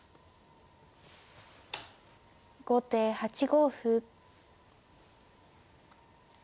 後手８五歩。